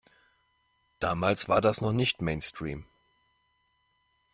Damals war das noch nicht Mainstream.